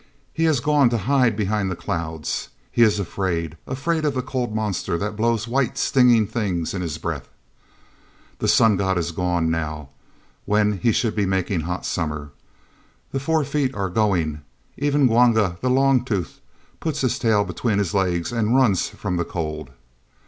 He has gone to hide behind the clouds. He is afraid—afraid of the cold monster that blows white stinging things in his breath. "The Sun god is gone—now, when he should be making hot summer! The Four feet are going. Even Gwanga, the long toothed, puts his tail between his legs and runs from the cold."